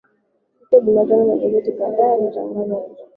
siku ya jumatano magazeti kadhaa yalitangaza kusitisha uchapishaji wake